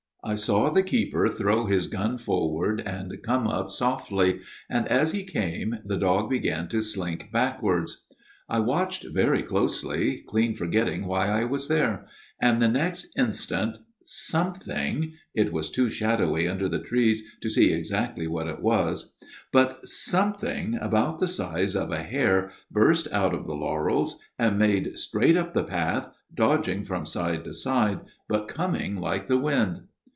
" I saw the keeper throw his gun forward and come up softly ; and as he came the dog began to slink backwards. I watched very closely, clean forgetting why I was there ; and the next instant something it was too shadowy under the FATHER MACCLESFIELD'S TALE 245 trees to see exactly what it was but something about the size of a hare burst out of the laurels and made straight up the path, dodging from side to side, but coming like the wind.